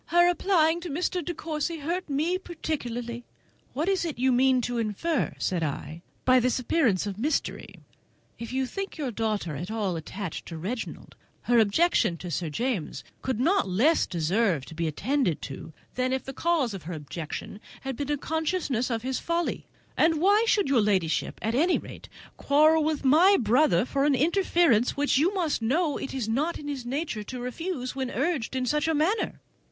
Her applying to Mr. De Courcy hurt me particularly." "What is it you mean to infer," said I, "by this appearance of mystery? If you think your daughter at all attached to Reginald, her objecting to Sir James could not less deserve to be attended to than if the cause of her objecting had been a consciousness of his folly; and why should your ladyship, at any rate, quarrel with my brother for an interference which, you must know, it is not in his nature to refuse when urged in such a manner?"